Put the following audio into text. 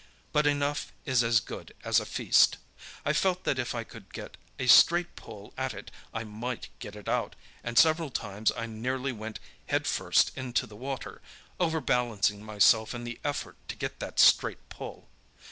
But enough is as good as a feast! I felt that if I could get a straight pull at it I might get it out, and several times I nearly went head first into the water, overbalancing myself in the effort to get that straight pull.